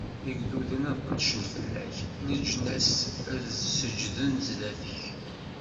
Igduden ad qedcen fell-ak, leǧnas ad seǧǧden zdat-k!